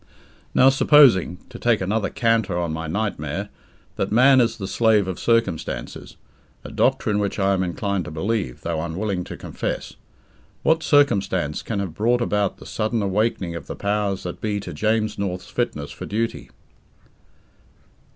Now supposing to take another canter on my night mare that man is the slave of circumstances (a doctrine which I am inclined to believe, though unwilling to confess); what circumstance can have brought about the sudden awakening of the powers that be to James North's fitness for duty?